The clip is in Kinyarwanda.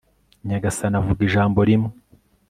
nyagasani avuga ijambo rimwe